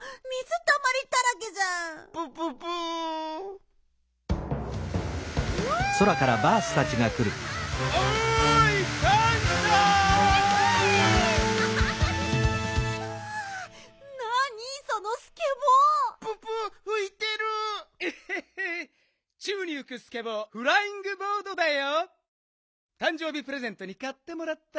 たんじょう日プレゼントにかってもらったんだ。